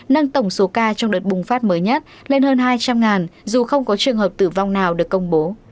nâng tổng số ca trong đợt bùng phát mới nhất lên hơn hai trăm linh dù không có trường hợp tử vong nào được công bố